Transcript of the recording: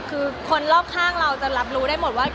คือคนรอบข้างเราจะรับรู้ได้หมดว่า